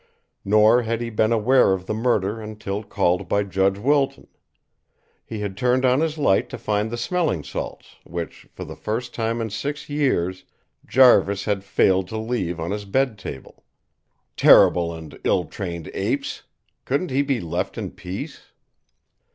Nor had he been aware of the murder until called by Judge Wilton. He had turned on his light to find the smelling salts which, for the first time in six years, Jarvis had failed to leave on his bed table, terrible and ill trained apes! Couldn't he be left in peace?